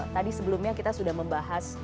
tadi sebelumnya kita sudah membahas